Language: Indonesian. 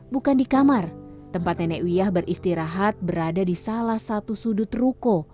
bukan di kamar tempat nenek wiyah beristirahat berada di salah satu sudut ruko